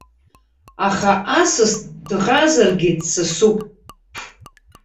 Аха асас дӷазаргьы, дсасуп.